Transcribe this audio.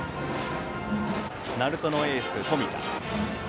鳴門のエース、冨田。